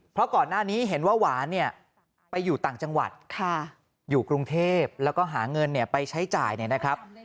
เพราะก่อนหน้านี้เห็นว่าหวานเนี่ยไปอยู่ต่างจังหวัดอยู่กรุงเทพแล้วก็หาเงินไปใช้จ่ายเนี่ยนะครับ